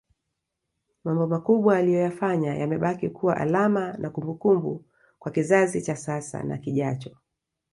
Mambo makubwa aliyoyafanya yamebaki kuwa alama na kumbukumbua kwa kizazi cha sasa na kijacho